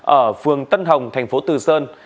ở phường tân hồng tp từ sơn